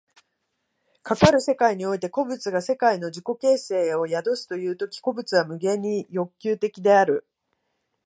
かかる世界において個物が世界の自己形成を宿すという時、個物は無限に欲求的である。